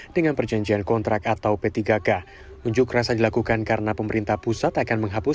dengan perjanjian kontrak atau p tiga k unjuk rasa dilakukan karena pemerintah pusat akan menghapus